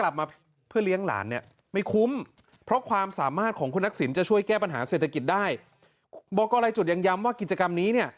บอกก่อนไล่จุดยังย้ำว่ากิจกรรมนี้